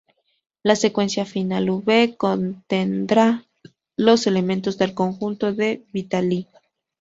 La secuencia final "v" contendrá los elementos del conjunto de Vitali.